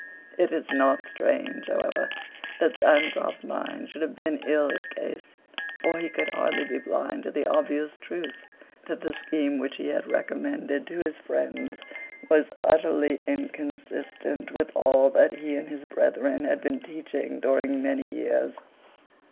It is not strange, however, that Sancroft's mind should have been ill at case; for he could hardly be blind to the obvious truth that the scheme which he had recommended to his friends was utterly inconsistent with all that he and his brethren had been teaching during many years.